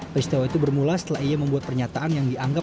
peristiwa itu bermula setelah ia membuat pernyataan yang dianggap